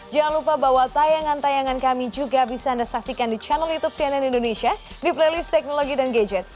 jangan lupa bahwa tayangan tayangan kami juga bisa anda saksikan di channel youtube cnn indonesia di playlist teknologi dan gadget